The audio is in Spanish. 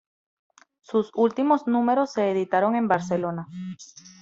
Sus últimos números se editaron en Barcelona.